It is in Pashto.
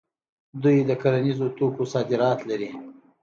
دوی د کرنیزو توکو صادرات لري.